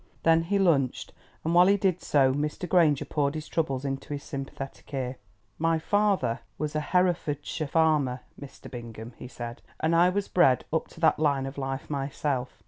Then he lunched, and while he did so Mr. Granger poured his troubles into his sympathetic ear. "My father was a Herefordshire farmer, Mr. Bingham," he said, "and I was bred up to that line of life myself.